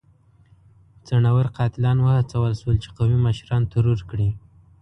څڼيور قاتلان وهڅول شول چې قومي مشران ترور کړي.